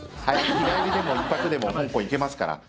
日帰りでも１泊でも行けますから。